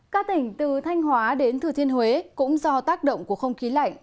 các tỉnh từ thanh hóa đến thừa thiên huế cũng do tác động của không khí lạnh